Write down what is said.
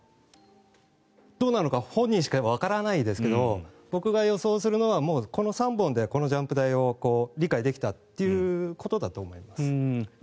どうなのか本人しかわからないんですけど僕が予想するのはこの３本でこのジャンプ台を理解できたということだと思います。